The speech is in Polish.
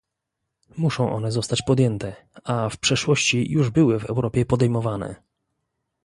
Muszą one zostać podjęte, a w przeszłości już były w Europie podejmowane